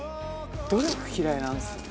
努力嫌いなんですよね。